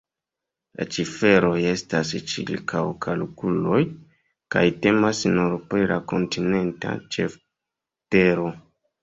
La ciferoj estas ĉirkaŭkalkuloj kaj temas nur pri la kontinenta ĉeftero.